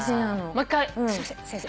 もう１回すいません先生。